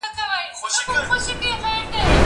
زه پرون مکتب ته ولاړم!؟